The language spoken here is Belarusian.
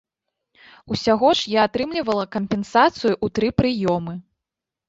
Усяго ж я атрымлівала кампенсацыю ў тры прыёмы.